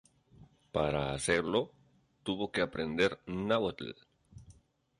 Para hacerlo tuvo que aprender náhuatl.